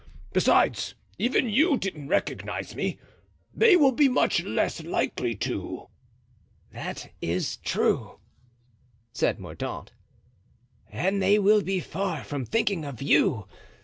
Besides even you didn't recognize me; they will be much less likely to." "That is true," said Mordaunt, "and they will be far from thinking of you.